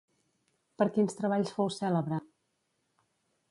Per quins treballs fou cèlebre?